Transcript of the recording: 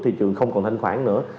thị trường không còn thanh khoản nữa